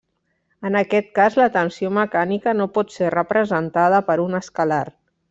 En aquest cas la tensió mecànica no pot ser representada per un escalar.